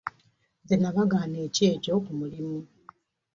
Nze nabagaana ekyejo ku mulimu.